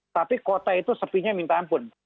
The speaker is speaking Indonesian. tapi kota itu sepinya minta ampun